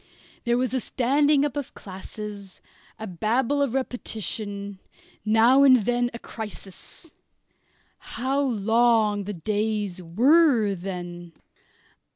There was a standing up of classes, a babble of repetition, now and then a crisis. How long the days were then!